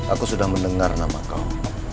aku sudah mendengar nama kamu